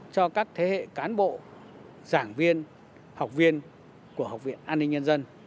cho các thế hệ cán bộ giảng viên học viên của học viện an ninh nhân dân